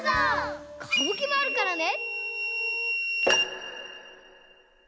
「かぶき」もあるからね！